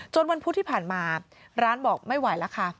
วันพุธที่ผ่านมาร้านบอกไม่ไหวแล้วค่ะ